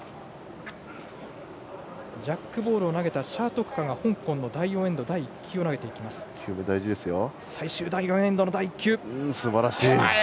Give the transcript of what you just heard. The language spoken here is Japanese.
ジャックボールを投げた謝徳樺が香港の第４エンド、１球目。